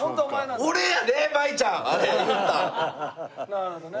なるほどね。